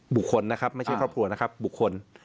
บุคคลนะครับไม่ใช่ครอบครัวนะครับบุคคล